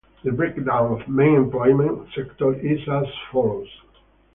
The breakdown of main employment sectors is as follows.